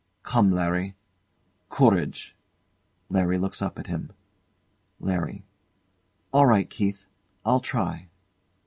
Come, Larry! Courage! LARRY looks up at him. LARRY. All right, Keith; I'll try.